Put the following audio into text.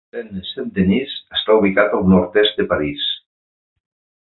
Seine-Saint-Denis està ubicat al nord-est de París.